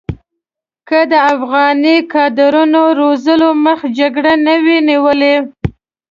که د افغاني کادرونو روزلو مخه جګړې نه وی نیولې.